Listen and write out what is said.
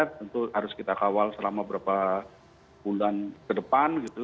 tentu harus kita kawal selama berapa bulan ke depan gitu